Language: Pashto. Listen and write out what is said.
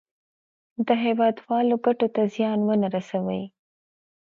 د هېوادوالو ګټو ته زیان ونه رسوي.